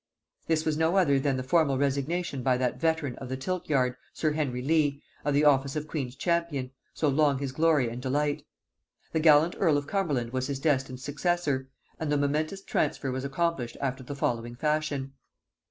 This was no other than the formal resignation by that veteran of the tilt yard, sir Henry Leigh, of the office of queen's champion, so long his glory and delight. The gallant earl of Cumberland was his destined successor, and the momentous transfer was accomplished after the following fashion.